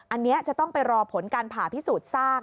อันนี้จะต้องไปรอผลการผ่าพิสูจน์ซาก